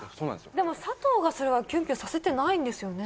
でも佐藤がそれはキュンキュンさせてないんですよね？